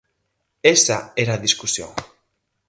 Esa era a discusión.